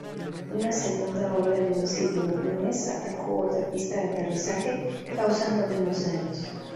Una segunda ola de once hidroaviones atacó otra pista de aterrizaje, causando menos daños.